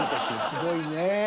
すごいね。